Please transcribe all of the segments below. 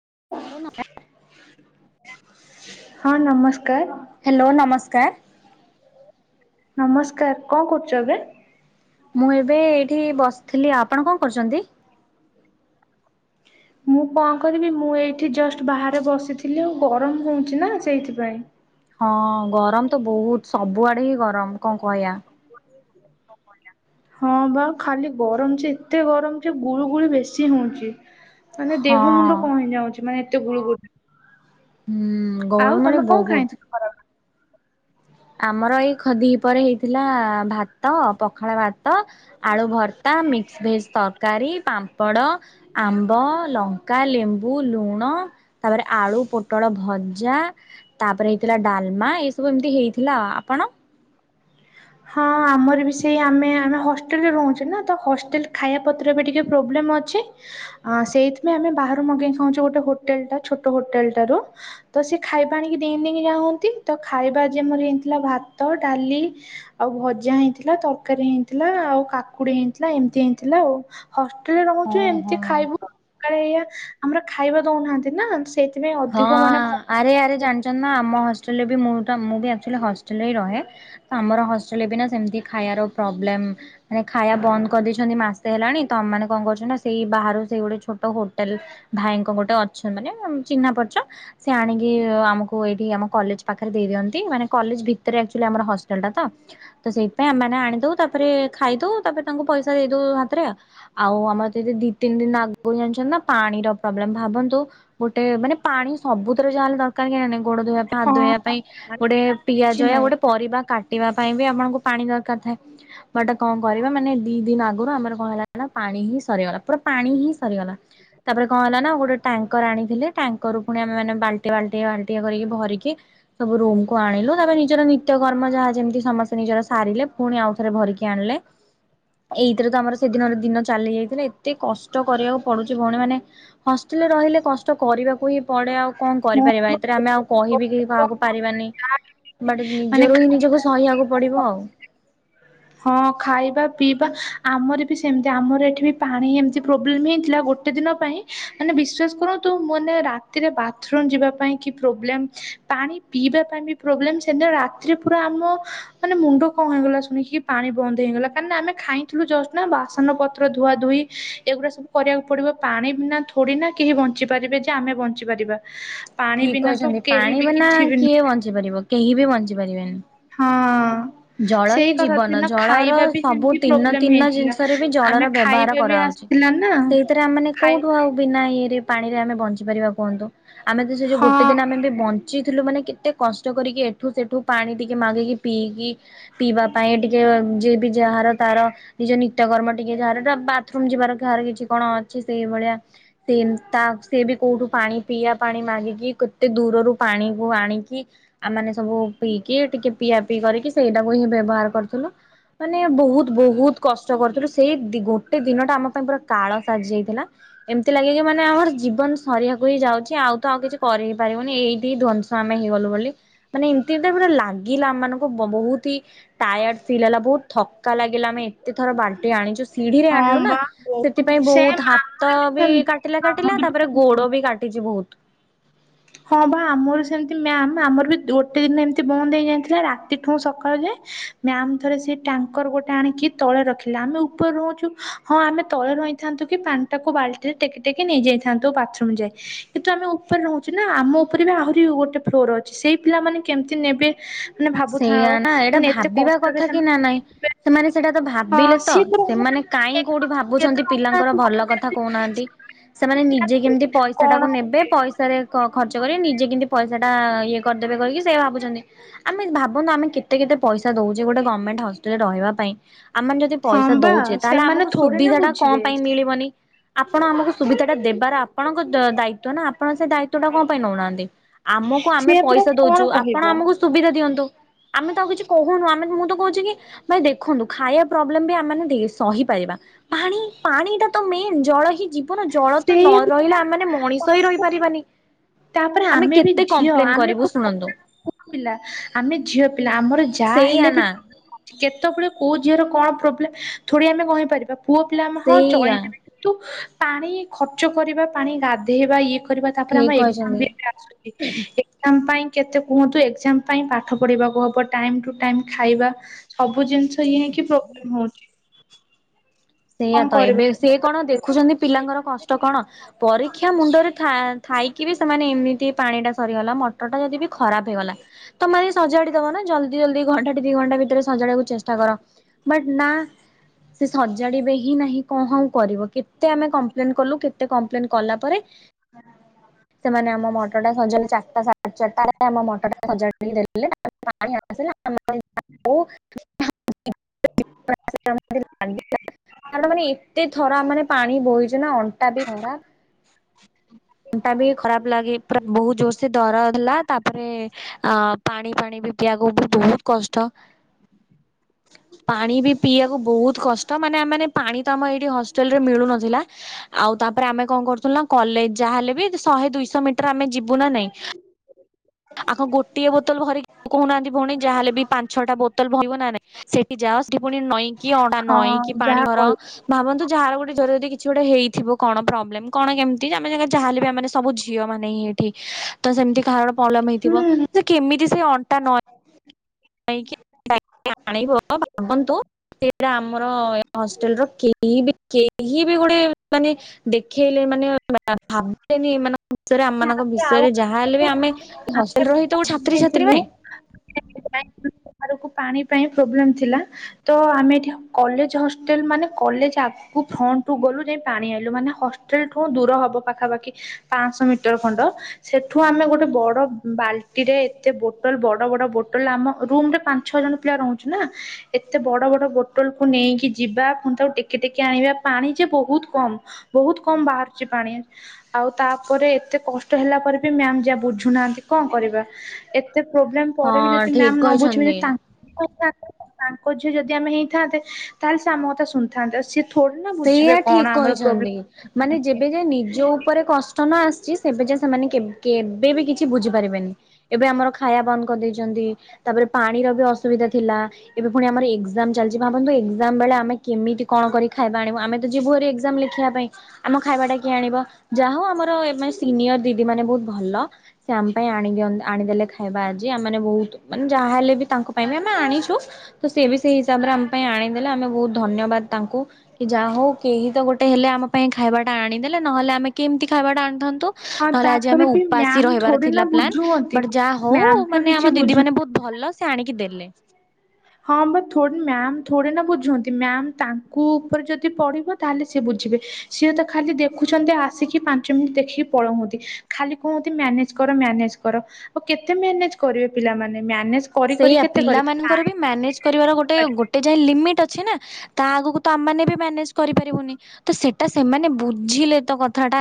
[unintelligible] ହଁ ନମସ୍କାର। ନମସ୍କାର ନମସ୍କାର କଣ କରୁଚ ଏବେ? ମୁଁ ଏବେ ଏଇଠି ବସିଥିଲି, ଆପଣ କଣ କରୁଛନ୍ତି? ମୁଁ କଣ କରିବି ମୁଁ ଏଇଠି ଜଷ୍ଟ ବାହାରେ ବସିଥିଲି ଆଉ ଗରମ ହଉଛି ନା ସେଇଥିପାଇଁ। ହଁ ଗରମ ତ ବୋହୁତ ସବୁଆଡେ ହିଁ ଗରମ କଣ କହିବା। ହଁ ବା ଖାଲି ଗରମ ଯେ ଏତେ ଗରମ ଯେ ଗୁଳୁ ଗୁଳି ବେଶୀ ହୋଉଚି। ମାନେ ହଁ। ଦେହ ମୁଣ୍ଡ କଣ ହେଇଯାଉଚି ମାନେ ଏତେ ଗୁଳୁଗୁଳି ହୁଁ ଗରମରେ ବୋହୁତ। ଖରାବେଳେ? ଆମର ଏଇ ଖଦିି ପରେ ହେଇଥିଲା ଭାତ ପ ପଖାଳ ଭାତ ଆଳୁ ଭର୍ତ୍ତା ମିକ୍ସ ଭେଜ ତରକାରୀ ପାମ୍ପଡ଼। ଆମ୍ବ ଲଙ୍କା ଲେମ୍ବୁ ଲୁଣ ତାପରେ ଆଳୁ ପୋଟଳ ଭ ଜା ତାପରେ ହେଇଥିଲା ଡାଲମା ଏ ସବୁ ଏମିତି ହେଇଥିଲା ଆପଣ। ହଁ ଆମର ବି ସେଇ ଆମେ ଆମେ ହଷ୍ଟେଲରେ ରହୁଛେ ନା ତ ହଷ୍ଟେଲ ଖାଇବା ପତ୍ର ବି ଟିକେ ପ୍ରୋବ୍ଲେମ୍ ଅଛି ସେଇଥିପାଇଁ ଆମେ ବାହରୁ ମଗେଇ ଖାଉଛୁ ଗୋଟେ ହୋଟେଲ ଟା ଛୋଟ ହୋଟେଲାରୁ। ତ ସେ ଖାଇବା ଆଣିକି ଦେଇଁ ଦେଇି ଯାଉନ୍ତି ତ ଖାଇବା ଯେ ମର ହେଇଥିଲା ଭାତ ଡାଲି। ଆଉ ଭଜା ହେଇଥିଲା ତରକାରୀ ହେଇଥିଲା ଆଉ କାକୁଡି ହେଇଥିଲା ଏମିତି ହେଇଥିଲା ଆଉ। ହଷ୍ଟେଲରେ ହଁ ରହୁଚୁ ଏମିତି ହଁ ଖାଇବୁଇଆ ଆମର ଖାଇବା ଦଉନାହାନ୍ତି ନା। ସେ ହଁ ଆରେ ଆରେ ଜାଣିଚ ନା ଆମ ହ ହ ମୁଁ ମୁଁ ବିଚ ହଷ୍ଟେଲରେ ରହେ ଆମର ହଷ୍ଟେଲରେ ବିନା ସେମିତି ଖାଇ ପ୍ରୋବ୍ଲେମ୍ ମାନେ ଖାଇବା ବନ୍ଦ କରିଦେଇଛନ୍ତି ମାସେ ସେ ହେଲାଣି ତମାନେ କଣ କରୁଚ ନା ସେଇ ବାହାରୁ ସେଇ ଗୋଟେ ଛୋଟ ହୋଟେଲ ଭାଇଙ୍କ ଗୋଟେ ଅଛ ମାନେ ଚିହ୍ନା ପରିଚ ସେ ଆଣିକି ଆମକୁ ଏଇଠି ଆମ କଲେଜ ପାଖରେ ଦେଇିଅନ୍ତି ମାନେ କଲେଜ ଭିତରେଚ ଆମ ହଷ୍ଟେଲ ଟା ତ ସେଇପାଇ ଆମେ ଆଣିଦୋଉ ତାପରେ ଖାଇଦୋଉ ତାପରେ ତାଙ୍କୁ ପଇସା ଦେଇ ଦୋଉ ହାତରେ ଆଉ ଆମର ଦିଇ ତିନି ଦିନ ଆଗକୁ ଜାଣିଛନ୍ତି ନା ପାଣିର ପ୍ରୋବ୍ଲେମ ଭାବନ୍ତୁ ଗୋ ଗେ ମାନେ ପାଣି ସବୁତରେ ଯାହାେଲେ ଦରକାର ନା ନାଇଁ ଗୋଡ ଧୋଇବା ପାଇଁ ହାତ ଧୋଇବା ପାଇଁ ହଁ ଗୋଟେ କିଛି ପିଆଇବା ନାହିଁ। ଗୋ ପରିବା କାଟିବା ପାଇଁ ବି ଆପଣଙ୍କୁ ପାଣି ଦରକାର ଥାଏ, ବଟ କଣ କରିବା ମାନେ ଦି ଦିନ ଆଗରୁ ଆମର କଣ ହେଲା ନା ପାଣି ହିଁ ସରିଗଲା ପୁରା। ପାଣି ହିଁ ସରିଗଲା, ତାପରେ କଣ ହେଲା ନା ଗୋଟେ ଟାଙ୍କର ଆଣିଥିଲି ଟାଙ୍କରରୁୁ ପୁଣି ଆମେମାନେ ବାଲ୍ଟି ବାଲଟିଆ ବାଲଟିଆ କରିକି ଭରିକି ସବୁ ରୁମକୁୁ ଆଣିଲୁ ତାପରେ ନିଜର ନିତ୍ୟକର୍ମ ଯାହା ଯେମିତି ସମସ୍ତେ ନିଜର ସାରିଲେ ପୁଣି ଆଉଥରେ ଭରିକି ଆଣିଲେ। ଏଇଥିରେ ତ ଆମର ସେଦିନର ଦିନ ଚାଲିଯାଇ ଏତେ କଷ୍ଟ କରିବାକୁ ପଡୁଛି ଭଉଣୀ ମାନେ ହଷ୍ଟେଲରେ ରହିଲେ କଷ୍ଟ କରିବାକୁ ହିଁ ପଡେ ଆଉ କଣ ମୁଁ କରିପାରିବା ମୋ ଏଥିରେ ଆମେ ଆଉ ବୋଉକୁ କହିବି କେହି କାହାକୁ କଣ କରିବି, ପାରିବାନି। ଯାହା କେମିତି ବାଟେ ମାନେ ନିଜରୁ ହିଁ ନିଜକୁ ଖାଇବା ସହିବାକୁ ପଡିବ ଆଉ। ହଁ ଖାଇବା ପିଇବା ଆମର ବି ସେମିତି ଆମର ଏଠି ବି ପାଣି ଏମିତି ପ୍ରୋବ୍ଲେମ୍ ହେଇଥିଲା ଗୋଟେ ଦିନ ପାଇଁ ମାନେ ବିଶ୍ୱାସ କରନ୍ତୁ ମାନେ ରାତିରେ ବାଥ୍ ରୁମ୍ ଯିବା ପାଇଁ କି ପ୍ରୋବ୍ଲେମ୍ ପାଣି ପିଇ ପାଇଁ ପ୍ରୋବ୍ଲେମ୍ ରାତିରେ ପୁରା ଆମ ମାନେ ମୁଣ୍ଡ କଣ ହେଇଗଲା ଶୁଣିକି ପାଣି ବନ୍ଦ ହେଇଗଲା କାଁକି ନା ଆମେ ଖାଇଥିଲୁ ଜଷ୍ଟ ନା ବାସନ ପତ୍ର ଧୁଆ ଧୁଇ ଏଗୁଡା ସବୁ କରିବାକୁ ପଡିବ। ପାଣି ବିନା ଥୋଡି ନା କେହି ବଞ୍ଚି ପାରିବେ ଯେ ଆମେ ବଞ୍ଚି ପାରିବା। ପାଣି ଠିକ ବିନା ତ କହିଛନ୍ତି କେହି ପାଣି ବି ବିନା କିଛି ବି କିଏ ବଞ୍ଚି ପାରିବ କେହି ବି ବଞ୍ଚି ପାରିବେନି। ହଁ ଜଳ ସେଇ ହିଁ କଥା ଜୀବନ ଦିନ ଜଳର ଖାଇବା ବି ସବୁ ସେମିତି ତିନ ପ୍ରୋବ୍ଲେମ ତିନ ହେଇଥିଲା। ଜିନିଷରେ ବି ଆମେ ଜଳର ବ୍ୟବହାର ଖାଇବା ବି କରାହାଉଛି। ଆସିଥିଲା ନା ସେଇଥିରେ ଆମ୍ ମାନେ ଖାଇ କୋଉଠୁ ଆଉ ବିନା ଇଏରେ ପାଣିରେ ଆମେ ବଞ୍ଚି ପାରିବା କୁହନ୍ତୁ। ଆମେ ତ ସେ ଯୋଉ ହଁ ଗୋଟେ ଦିନ ଆମେ ବି ବଞ୍ଚିଥିଲୁ ମାନେ କେତେ କଷ୍ଟ କରିକି ଏଠୁ ସେଠୁ ପାଣି ଟିକେ ମାଗିକି ପିକିି ପିଇବା ପାଇଁ ଟିକେ ଯିଏ ବି ଯାହାର ତାର ନିଜ ନିତ୍ୟକର୍ମ ଟିକେ ଯାହାର ତା ବା ତ୍ରୁମ୍ ଯିବାର କାହାର କିଛି କଣ ଅଛି ସେଇଭଳିଆ ସେ ତା ସିଏ ବି କୋଉଠୁ ପାଣି ପିଇବା ପାଣି ମାଗିକି କେତେ ଦୂରରୁ ପାଣିକୁ ଆଣିକି ଆ ମାନେ ସବୁ ପିଇକି ଟିକେ ପିଇଆ ପିଇ କରିକି ସେଇଟାକୁ ହି ବ୍ୟବହାର କରୁଥିଲୁ ମାନେ ବହୁତ ବହୁତ କଷ୍ଟ କରୁଥିଲୁ। ସେଇ ଗୋଟେ ଦିନଟା ଆମ ପାଇଁ ପୁରା କାଳ ସାଜି ଯାଇଥିଲା ଏମିତି ଲାଗେ କି ମାନେ ଆମର ଜୀବନ ସରିିବା ଯାଉଛି ଆଉ ତ ଆଉ କିଛି କରି ହି ପାରିବୁନି ଏଇଠି ଧ୍ଵଂସ ଆମେ ହେଇଗଲୁ ବୋଲି ମାନେ ଏମିତି ପୁରା ଲାଗ୍ ଲାଗିଲା ଆମ୍ ମାନକୁଂ ବହୁତ ହି ଟାୟାର୍ଡ ଫିଲ୍ ହେଲା ବହୁତ ଥକା ଲାଗିଲା ଆମେ ଏତେ ଥର ବାଲ୍ଟି ଆଣିଛୁ ସିଢି ରେ ହଁ ଆଣିଲୁ ନା ବା ବହୁତ ସେଥିପାଇଁ ସେମ୍ ବହୁତ ଆମର ହାତ ବି ସେମିତି କାଟିଲା ଆମର କାଟିଲା ବି ତାପରେ ଗୋଡ ସେମିତି ବି କାଟ ଟଛି ବହୁତ। ହଁ ବା ଆମର ସେମତି ମ୍ୟାମ୍ ଆମର ବି ଗୋଟେ ଦିନ ଏମିତି ବନ୍ଦ ହେଇଯାଇଥିଲା ରାତିଠୁ ସକାଳୁ ଯାଏ। ମ୍ୟାମ ଥରେ ସେ ଟାଙ୍କର ଗୋଟେ ଆଣିକି ତଳେ ରଖିଲେ ଆମେ ଉପରେ ରହୁଛୁ ହଁ ଆମେ ତଳେ ର କହି ଥାନ୍ତୁ କି ପାଣି ଟାକୁ ବାଲଟିରେ ଟେକି ଟେକି ନେଇଯାଇଥାନ୍ତୁ ବା ଯଏ କିନ୍ତୁ ଆମେ ଉପରେ ର ନା ଆମ ଉପରେ ବି ଆହୁରି ଗୋଟେ ଫ୍ଲୋର୍ ଅଛି ସେଇ ପିଲାମାନେ କେମିତି ନେବେ ମାନେ ଭାବୁଥାଅ ସେଇଆ ନା ଏଇଟା ମାନେ ଏତେ ଭାବିବା କଷ୍ଟରେ କଥା କି ସେମାନେ ନା ନାଇଁ ସେମାନେ ସେଇଟା ହଁ ଭାବିଲେ ତ ସିଏ ସେମାନେ କାହିଁ କୋଉଠି ତ ଭାବୁଛନ୍ତି ପିଲାଙ୍କର ରହୁନାହାନ୍ତି। ଭଲ କଥା କହୁନାହାନ୍ତି। ସେମାନେ ନିଜେ କେମିତି ପଇସା କଣ ଟାକୁ ନେବେ ପଇସାରେ ଖର୍ଚ୍ଚ କରି ନିଜେ କେମିତି ପଇସା ଟା ଆ ଇଏ କରିଦେବେ କରିକି ସେ ଭାବୁଛନ୍ତି। ଆମେ ଭାବନ୍ତୁ ଆମେ କେତେ କେତେ ପଇସା ଦଉଛେ ଗଟେ ଗଭର୍ଣ୍ଣମେଣ୍ଟ ହସ୍ଟାଲରେ ରହିବା ପାଇଁ ଆମ ମାନେ ଯଦି ହଁ ପଇସା ଟା ବା ଦଉଛେ ତାହେଲେ ସେମାନେ ଆମକୁ ଥୋଡି ନା ସୁବିଧା ଟା କଣ ବୁଝିବେ ପାଇଁ ମିଳିବନି। ଆପଣ ଆମକୁ ସୁବିଧା ଟା ଦେବାର ଆପଣଙ୍କ ଦାୟିତ୍ୱ ନା ଆପଣ ସେ ଦାୟିତ୍ୱ ଟା କଣ ପାଇଁ ନଉନାହାନ୍ତି। ଆମକୁ ଆମେ ସେଇଆ ପରା ପଇସା ଦଉଛୁ କଣ ଆପଣ କହିବା ଆମକୁ ସୁବିଧା ଦିଅନ୍ତୁ ଆମେ ତ ଆଉ କିଛି କହୁନୁ ମୁଁ ତ କହୁଛି କି ଭଈ ଦେଖନ୍ତୁ ଖାଇବା ପ୍ରୋବ୍ଲେମ୍ ବି ଆମେ ସହିପାରିବା ପାଣି ପାଣି ଟା ତ ମେନ୍ ଜଳ ହିଁ ଯିବ୍ ପଣ ଜଳ ତ ନ ସେଇଆ ପରା। ରହିଲା ଆମ ମାନେ ମଣିଷ ହିଁ ରହିପାରିବାନି। ତାପରେ ଆମେ ବି କେତେ ଝିଅ କମ୍ପ୍ଲେନ୍ ଆମେ କରିବୁ କୋଉ ଶୁଣନ୍ତୁ। ପିଲା ଆମେ ଝିଅ ପିଲା ଆମର ଯାହା ସେଇଆ ହେଲେ ନା ବି କେତେବେଳେ କୋଉ ଝିଅର କଣ ପ୍ରୋବ୍ଲେମ୍ ଥୋଡି ଆମେ କହିପାରିବା ପୁଅ ପିଲାମାନେ ଚଳେଇ ସେଇଆ ନେବେ କିନ୍ତୁ ପାଣି ଖର୍ଚ୍ଚ କରିବା ପାଣି ଗାଧେଇବା ଇଏ ତାପରେ ଠିକ ଆମ ଏକ୍ସ୍ରାମ କହିଛନ୍ତି। ହରୀକା ଆସୁଛି ଏକ୍ସ୍ରାମ୍ ପାଇଁ କେତେ କୁହନ୍ତୁ ଏକ୍ଜାମ ପାଇଁ ପାଠ ପଢ଼ିବାକୁ ହବ ଟାଇମ ଟୁ ଟାଇମ ଖାଇବା ସବୁ ସବୁ ଜିନିଷ ଇ ହୋଇକି ପ୍ରୋବ୍ଲେମ୍ ହଉଛି। ସେଇଆ କଣ ତ କରିବା ଏବେ ସେ କଣ ଦେଖୁଛନ୍ତି ପିଲାଙ୍କର କଷ୍ଟ କଣ ପରୀକ୍ଷା ମୁଣ୍ଡରେ ଥାଆ ଥାଇକି ବି ସେମାନେ ଏମିତି ପାଣିଟା ସରିଗଲା ମଟରଟା ଯଦି ବି ଖରାପ ହେଇଗଲା ତମେ ସଜାଡି ଦବ ନା ଜଲଦି ଜଲ୍ଦି ଘଣ୍ଟାଟି ଦି ଘଣ୍ଟା ଭିତରେ ସଜାଡକୁ ଚେଷ୍ଟା କର ବଟ ନା ସେ ସଜା ଜାଡିବେ ହିଁ ନାହିଁ କଣ ଆଉ କରିବ କେତେ ଆମେ କମ୍ପ୍ଲେନ କଲୁ କେତେ କମ୍ପ୍ଲେନ୍ କଲା ପରେ ସେମାନେ ଆମ ମଟର ଟା ସଜେଇଲେ ଚାରିଟା [unintelligible] [inaudible] [unintelligible] କାରଣ ମାନେ ଏତେ ଥରା ମାନେ ପାଣି ବୋହିଚୁ ନା ଅଣ୍ଟା ବି ଖରା ଅଣ୍ଟା ବି ଖରାପ ଲାଗେ ପୁରା ବହୁତ ଜୋର ସେ ଦରଜ ଥିଲା ତାପରେ ଅ ପାଣି ଫାଣି [unintelligible] କଷ୍ଟ ପାଣି ବି ପିଇବାକୁ ବହୁତ କଷ୍ଟ ମାନେ ଆମେମାନେ ପାଣି ତ ଆମ ଏଇଠି ହଷ୍ଟେଲ ରେ ମିଳୁନଥିଲା ଆଉ ତାପରେ ଆମେ କଣ କରୁୁଥିଲୁନା କଲେଜ ଯାହାହେଲେ ବି ଶହେ ଦୁଇଶହ ମିଟର ଆମେ ଯିବୁ ନା ନାଇଁ [inaudible] ଆଗ ଗୋଟଏ ବୋତଲ ଭରିକି କହୁନାହାନ୍ତି ଭଉଣୀ ଯାହାେଲେ ବି ପାଞ୍ଚ ଛଟା ବୋତଲ ଭରିବ ନା ନାଇଁ ସେଠି ଯାଅ ସେ ପୁଣି ନଈଁ କି ଅଣ୍ଟା ନଈଁ କି ହଁ ପାଣି ଯାହା ଭର କହିଲୁ ଭାବନ୍ତୁ ଯାହାର ଗୋଟେ ଧର ଯଦି କିଛି ଗୋଟେ ହେଇଥିବ କଣ ପ୍ରୋବଲେ କଣ କେମିତି ଆମେ ଯ ଯାହାଲେ ବି ଆାନେ ସବୁ ଝିଅ ମାନେ ହିଁ ଏଠି ତ ସେମିତି କାହାର ପ୍ରବ୍ଲେମ ହେଇଥିବ ହୁଁ ଯେ କେମିତି ସେ ଅଣ୍ଟା ନ [inaudible] ଯାଇକି ଆଣିବ ଭାବନ୍ତୁ। ସେଇଟା ଆମର ହଷ୍ଟେଲର କେହି ବି କେହି ବି ଗୋଟେ ମାନେ ଦେଖେଇଲେ ମାନେ ଭାବିଲେନି ମାନେ ଏମାନଙ୍କ ବିଷୟରେ ଆମମାନଙ୍କ ଆମେ ଆଉ ବିଷୟରେ ଯାହା ହେଲେ ବି ଆମେ ଗୋଟେ କଥା, ହଷ୍ଟେଲରେ ହିଁ ତ ଛାତ୍ରୀଛାତ୍ରୀ ମାନେ। ଥିଲୁ ପାଣି ପାଇଁ ପ୍ରବ୍ଲେମ୍ ଥିଲା ତ ଆମେ ଏଠି କଲେଜ ହଷ୍ଟେଲ ମାନେ କଲେଜ ଆଗକୁ ଫ୍ରଣ୍ଟଠୁ ଗଲୁ ଯାଇ ପାଣି ଆଇଲୁ ମାନେ ହଷ୍ଟେଲ ଠୁ ଦୂର ହବ ପାଖାପାଖି ପାଆଁଶ ମିଟର ଖଣ୍ଡ ସେ ଠୁ ଆମେ ଗୋଟେ ବଡ ବାଲଟିରେ ଏତେ ବୋଟଲ ବଡ ବଡ ବୋଟଲ ଆମ ରୁମରେ ପା ଛଅ ଜଣ ପିଲା ରହୁଛୁ ନା ଏତେ ବଡ଼ ବଡ ବୋଟେଲକୁୁ ନେଇକି ଯିବା ପୁଣି ତାକୁ ଟେକି ଟେକି ଆଣିବା ପାଣି ଯେ ବହୁତ କମ ବହୁତ କମ ବାହାରୁଛି ପାଣି ଆଉ ତାପରେ ଏତେ କଷ୍ଟ ହେଲା ପ ପରେ ବି ମାମ୍ ଯେ ବୁୁଝୁ ନାହାନ୍ତି କଣ କରିବା ଏତେ ପ୍ରୋବ୍ଲେମ ପରେ ବି ଯଦି ହଁ ଠିକ ମାମ ନ ବୁଝିବେ ଯେ କହିଛନ୍ତି। ତା ଥାନ୍ତ ତାଙ୍କ ଝିଅ ଯଦି ଆମେ ହେଇଥାନ୍ତେ ତାହେଲେ ସେ ଆମ କଥା ଶୁଣିଥାନ୍ତେ ଆଉ ସି ସେଇଆ ଠିକ କହିଛନ୍ତି ମାନେ ଯେବେ ଯାଏ ନିଜ ଉପରେ କଷ୍ଟ ନଆସିଚି ଏବେ ଯା ସେମାନେ କ କେବେ ବି କିଛି ବୁଝିପାରିବେନି ଏବେ ଆମର ଖାଇବା ବନ୍ଦ କରିଦେଇଛନ୍ତି ତାପରେ ପାଣିର ବି ଅସୁବିଧା ଥିଲା ଏବେ ପୁଣି ଆମର ଏକ୍ଜାମ ଚାଲିଛି ଭାବନ୍ତୁ ଏକ୍ଜାମ ବେଳେ ଆମେ କେମିତି କଣ କରିକି ଆଣିବୁ ଆମେ ତ ଯିବୁ ହାରି ଏକ୍ଜାମ ଲେଖିବା ପାଇଁ ଆମ ଖାଇବା ଟା କିଏ ଆଣିବ ଯାହା ହଉ ଆମର ସିନିଅର ଦି ଦିଦି ମାନେ ବହୁତ ଭଲ ସେ ଆମ ପାଇଁ ଆଣି ଆଣିଦେଲେ ଖାଇବା ଆଜି ଆମେମାନେ ବହୁତ ମାନେ ଯାହାହଲେ ବି ତାଙ୍କ ପାଇଁ ବି ଆମେ ଆଣିଛୁ ତ ସେ ବି ସେଇ ହିସାବରେ ଆମ ପାଇଁ ଆଣିଦେଲେ ଆମେ ବହୁତ ଧନ୍ୟବାଦ ତାଙ୍କୁ କି ଯାହା ହଉ କେହି ତ ଗୋଟେ ହେଲେ ଆମ ପାଇଁ ଖାଇବା ଟା ଆଣିଦେଲେ ନହେଲେ ଆମେ କେମତି ଖାଇବାଟା ଆଣିଥାନ୍ତୁ ହଁ ନହେଲେ ଆଜି ତାପରେ ଆମେ ବି ଉପାସ ହି ମ୍ୟାମ୍ ରହିବାର ଥୋଡି ନା ଥିଲା ପ୍ଲାନ୍ ବୁଝୁଅନ୍ତି ବଟ ଯାହା ହଉ ମ୍ୟାମ୍ ତ ମାନେ କିଛି ଆମ ଦିଦି ବୁଝୁ ମାନେ ବହୁତ ଭଲ ସେ ଆଣିକି ଦେଲେ ହଁ ମ ଥୋ ମ୍ୟାମ୍ ଥୋଡି ନା ବୁଝନ୍ତି ମ୍ୟାମ୍ ତାଙ୍କୁ ଉପରେ ଯଦି ପଢିବ ତାହେଲେ ସେ ବୁ ଝିବେ ସିଏତ ଖାଲି ଦେଖୁଛନ୍ତି ଆସିକି ପାଞ୍ଚ ମିନିଟ ଦେଖିକି ପଳଉଛନ୍ତି ଖାଲି କୁହନ୍ତି ମ୍ୟାନେଜ କର ମ୍ୟାନେଜ୍ କର ଆଉ କେତେ ମ୍ୟାନେଜ୍ କରିବେ ପିଲାମାନେ ମ୍ୟାନେଜ୍ ସେଇଆ ପିଲାମାନଙ୍କର ବି ମ୍ୟାନେଜ କରିବାର ଗୋଟେ ଗୋଟେ ଯାଏ ଲିମିଟ ଅଛି ଅଛିନା ତା ଆଗକୁ ତ ଆମେ ବି ମ୍ୟାନେଜ କରିପାରିବୁନି ତ ସେ ସେମାନେ ବୁଝିଲେ ତ କଥାଟା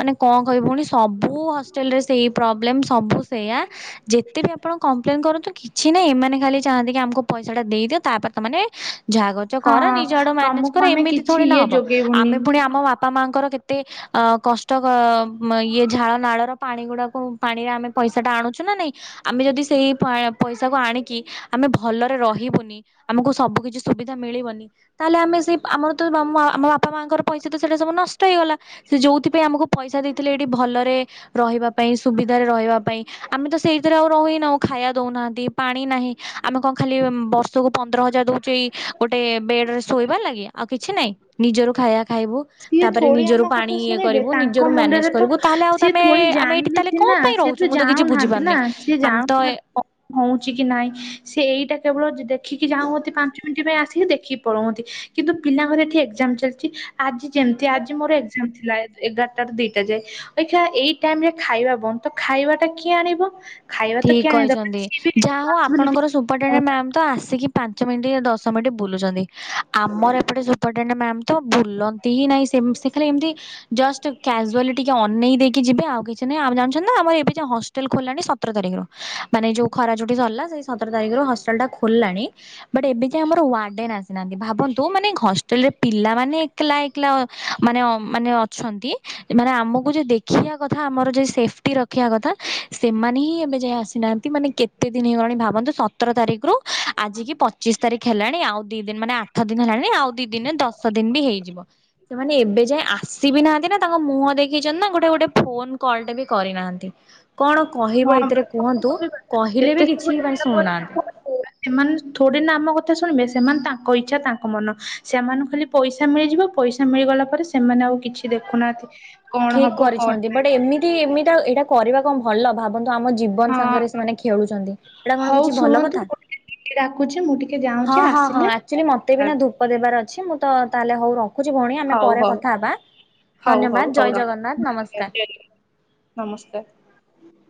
ମାନେ କଣ କହିବି ଭଉଣୀସବୁ ହଷ୍ଟେଲ ରେ ସେଇ ପ୍ରୋବ୍ଲେମ। ସବୁ ସେୟା ଯେତେ ବି ଆପଣ କପ୍ଲେନ୍ କରୁନ୍ତୁ କିଛି ନାହିଁ ଏମାନେ ଖାଲି ଚାହାନ୍ତି କି ଆମକୁ ପଇସା ଟା ଦେଇ ତାପରେ ତମେ ଯହା କରୁଚ ହଁ କର ନିଜ ଆଡୁ ମ୍ୟାନେଜ ତମକୁ କର ଆମେ ଏମିତି କିଛି ଥୋଡ଼ି ନା ଇଏ ହବ ଯୋଗେଇବୁନି ଆମେ ପୁଣି ଆମ ବାପା ବା ମାଙ୍କର କେ ଏତେ ଅ କଷ୍ଟ ଇଏ ଝାଳ ନାଳର ପାଣି ଗୁଡାକୁ, ପାଣିରେ ଆମେ ପଇସା ଟା ଆଣୁଛୁ ନା ନାଇଁ, ଆମେ ଯଦି ସେଇ ପଇସାକୁ ଆଣିକି ଆମେ ଭଲରେ ରହିବୁନି, ଆମକୁ ସବୁ କିଛି ସୁବିଧା ମିଳିବନି, ତାହେଲେ ଆମେ ସେ ଆମର ତ, ଆମ ବାପା ମାଙ୍କର ପଇସା ତ ସେଇଟା ସବୁ ନଷ୍ଟ ହେଇଗଲା, ସେ ଯଉଥିପାଇଁ ଆମକୁ ପଇସା ଦେଇଥିଲେ, ଏଇଠି ଭଲରେ ରହିବା ପାଇଁ, ସୁବିଧାରେ ରହିବା ପାଇଁ, ଆମେ ତ ସେଇଥିରେ ଆଉ ରହିନାଁହୁ । ଖାଇବା ଦଉନାହାନ୍ତି, ପାଣି ନାହିଁ, ଆମେ କଣ ଖାଲି ବର୍ଷକୁ ପନ୍ଦର ହଜାର ଦଉଛେ ଗୋଟେ ବେଡ ରେ ଶୋଇବାର ଲାଗି, ଆଉ କିଛି ନାଇଁ ନିଜର ଖାଇବା ଖାଇବୁ, ସିଏ ତାପରେ ଥୋଡି ନିଜରୁ ଆମ ପାଣି କଥା ଇ ଶୁଣିବେ କରିବୁ, ତାଙ୍କ ନିଜରୁ ମ୍ୟାନେଜ ମୁଣ୍ଡରେ ତ କରିବୁ, ତାହେଲେ ଆଉ ସିଏ ତମେ, ଥୋଡି ଆମେ ଏଇଠି ଜାଣିଲେ ତାହେଲେ କଣ ମୋ ସିନା ପାଇଁ ସିଏ ରହୁଛୁ, ମୁଁ ତ କିଛି ଜାଣୁନାହାନ୍ତି ନା ବୁଝିପାରୁନି, ସିଏ ଆମ ତ ଜାଣୁନାହାନ୍ତି କଣ ହଉଛି କି ନାଇଁ, ସେ ଏଇଟା କେବଳ ଦେଖିକି ଯା ହ ପାଞ୍ଚ ମିନିଟ ପାଇଁ ଆସ ଦେଖି ପଲଉନ୍ତି, କିନ୍ତୁ ପିଲାଙ୍କର ଏଠି ଏଜାମ ଚାଲିଛି, ଆଜି ଯେମିତି, ଆଜି ମୋର ଏକ୍ଜାମ ଥିଲା ଏଗାରଟ ର ଦିଟା ଯାଏ, ଅଇକା ଏଇ ଟାଇମ ରେ ଖାଇବା ବନ୍ଦ, ତ ଖାଇବା ଟା କିଏ ଆଣିବ? ଖାଇବା ତ ଠିକ କିଏ ଆଣିବା ଦରକାର କହିଛନ୍ତି, ସିଏ ବି ଯାହା ହଉ ରେସପନସିବିଲିଟି ଆପଣଙ୍କର ସୁ [unintelligible] ଆସି ମିନିଟ ବୁଲୁଚନ୍ତି, ଆମର ଏପଟେ ତ ଭୁଲନ୍ତି ହି ନାଇଁ, ସେ ଖାଲି ଏମିତି ଜଷ୍ଟ କାଜୁଆଲି ଟିକେ ଅନେଇ ଦେଇ କି ଯିବେ, ଆଉ କିଛି ନାହିଁ, ଆ ଜାଛନ୍ତି ନା, ଆମର ଏବେ ଯ ହଷ୍ଟେଲ ଖୋଲାଣି ସତର ତାରିଖରୁ, ମାନେ ଯୋଉ ଖରାଛୁଟି ସରିଲା, ସେ ସତର ତାରିଖରୁ ହଷ୍ଟେଲ ଟା ଖୋଲିଲାଣି । ବଟ ଏବେ ଯାଇ ଆମର ୱାର୍ଡେନ ଆସିନାହାନ୍ତି, ଭାବନ୍ତୁ ମାନେ ହଷ୍ଟେଲ ରେ ପିଲାମାନୋନେ ଏକଲା ଏକଲା ମାନେ, ମାନେ ମାନେ ଆମକୁ ଦେଖଥା ଆମର ସେଟି ର କଥା, ସେମାନେ ଏବେ ଯାଇ ଆସିନାହାନ୍ତି, ମାନେ କେତେ ଦିନଇଗଲାଣି ଭାବନ୍ତୁ, ସତର ତାରିଖ ହ [inaudible] ଆଜି କି ପଚିଶ ତାରିଖ ହେଲାଣି ଆଉ ଦି ଦିନ ମାନେ ଆଠ ଦିନ ହେଲାଣି ଆଉ ଦି ଦିନ ଦଶ ଦିନ ବି ହେଇଯିବ । ସେମାନେ ଏବେ ଯାଏ ଆସିବି ନାହାନ୍ତି ନା, ତାଙ୍କ ମୁହଁ ଦେଖେଇଛନ୍ତି, ନା ଗୋଟେ ଗୋଟେ ଫୋନ କଲଟେ ବି କରିନାହାନ୍ତି । କଣ କହିବ ହଁ ଏ କୁହନ୍ତୁ, କହିଲେ ଏତେ ବି କିଛି ସବୁ ହେଲା ପରେ ଶୁଣୁନାହାନ୍ତି । ସେମାନେ ଥୋଡିିନ ଆମ କଥା ଶୁଣିବେ, ସେମାନେ ତାଙ୍କ ଇଚ୍ଛା, ତାଙ୍କ ମନ, ସେମାନଙ୍କୁ ଖାଲି ପଇସା ମିଳିଯିବ ପଇସା ମିଳିଗଲା ପରେ, ସେମାନେ ଆଉ କିଛି ଦେଖୁନାହାନ୍ତି । ଠିକ କରିଛନ୍ତି ବଟ ଏମିତି, ଏମିତି ଏଇଟା କରିବା କଣ ଭଲ ଭାବନ୍ତୁ ଆମ ଜୀବନ ହଁ ସାଙ୍ଗରେ ସେମାନେ ଖେଳୁଛନ୍ତି, ଏଇଟା କଣ କିଛି ଭଲ କଥା । କିଏ ଡାକୁଛି ମୁଁ ଟିକେ ଯାଉଛି ହଁ ହଁ ହଁ ଆସିଲେ ଆକ୍ଚୁଆଲି ମତେ ବି ନା ଧୂପ ଦେବାର ଅଛି, ମୁଁ ତ ତାହେଲେ ହଉ ରଖ ରଖୁଛି ଭଉଣୀ, ଆମେ ହଉ ପରେ ହଉ କଥା ହବା, ହଉ ହଉ ଧନ୍ୟବାଦ, ଜୟ ଜଗନ୍ନାଥ । ନମସ୍କାର। ନମସ୍ତେ ।